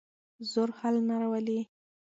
زور حل نه راولي.